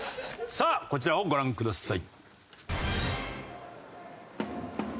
さあこちらをご覧ください。